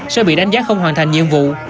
sẽ bị đánh giá không hoàn thành nhiệm vụ